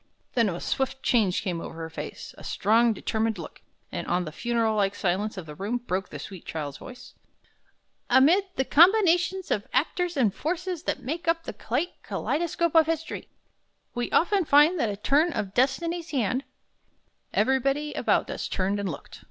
Then a swift change came over her face, a strong, determined look; and on the funeral like silence of the room broke the sweet child voice: "'Amid the combinations of actors and forces that make up the great kaleidoscope of history, we often find that a turn of Destiny's hand '" Everybody about us turned and looked.